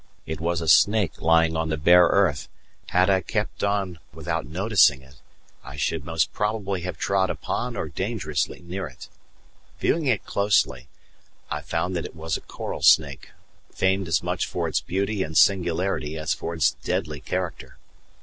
It was a snake lying on the bare earth; had I kept on without noticing it, I should most probably have trodden upon or dangerously near it. Viewing it closely, I found that it was a coral snake, famed as much for its beauty and singularity as for its deadly character.